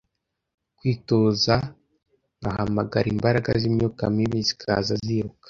kwitoza nkahamagara imbaraga z’imyuka mibi zikaza ziruka